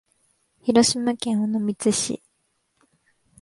広島県尾道市